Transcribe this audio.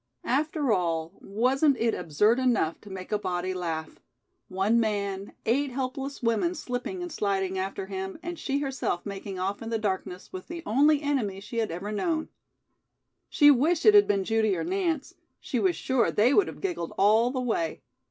After all, wasn't it absurd enough to make a body laugh one man, eight helpless women slipping and sliding after him, and she herself making off in the darkness with the only enemy she had ever known! She wished it had been Judy or Nance. She was sure they would have giggled all the way.